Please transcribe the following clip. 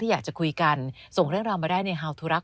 อยากจะคุยกันส่งเรื่องราวมาได้ในฮาวทุรักษ